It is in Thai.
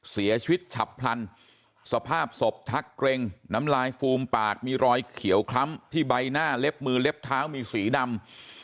ฉับพลันสภาพศพชักเกร็งน้ำลายฟูมปากมีรอยเขียวคล้ำที่ใบหน้าเล็บมือเล็บเท้ามีสีดำ